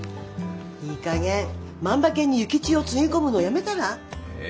いいかげん万馬券に諭吉をつぎ込むのやめたら？え？